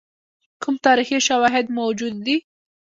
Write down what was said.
کوم تاریخي شواهد موجود دي.